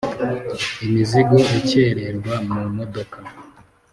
Imizigo ikerererwa mu modoka,